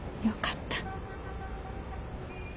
よかった。